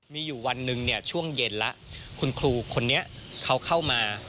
มีอยู่วันหนึ่งเนี่ยช่วงเย็นแล้วคุณครูคนนี้เขาเข้ามา